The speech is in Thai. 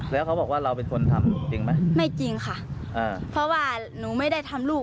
แล้วเขาบอกว่าเราเป็นคนทำจริงไหมไม่จริงค่ะอ่าเพราะว่าหนูไม่ได้ทำลูก